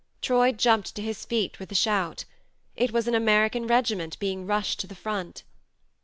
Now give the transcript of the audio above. Troy jumped to his feet with a shout. It was an American regiment being rushed to the front